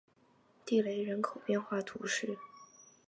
蒂勒人口变化图示